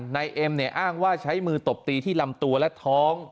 นายเอ็มเนี่ยอ้างว่าใช้มือตบตีที่ลำตัวและท้อง